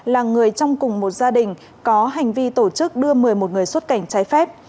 là người trong cùng một gia đình có hành vi tổ chức đưa một mươi một người xuất cảnh trái phép